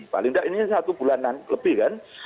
paling tidak ini satu bulanan lebih kan